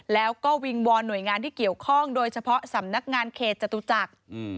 แล้วก็วิงวอนหน่วยงานที่เกี่ยวข้องโดยเฉพาะสำนักงานเขตจตุจักร